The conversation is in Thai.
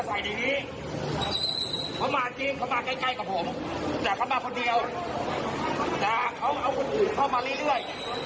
แต่เขามาคนเดียวแต่เขาเอาคนอื่นเข้ามาเรื่อยเรื่อย